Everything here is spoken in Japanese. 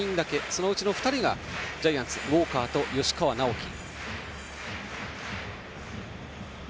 そのうちの２人がジャイアンツのウォーカーと吉川尚輝。